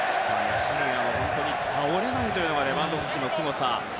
やはり倒れないというのがレバンドフスキのすごさ。